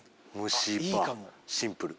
シンプル。